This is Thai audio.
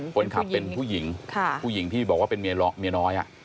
คนขับเป็นผู้หญิงผู้หญิงที่บอกว่าเป็นเมียน้อย